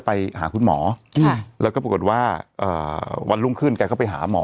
ไปหาคุณหมอแล้วก็ปรากฏว่าวันรุ่งขึ้นแกก็ไปหาหมอ